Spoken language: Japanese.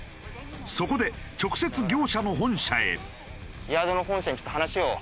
そこで直接業者の本社へ。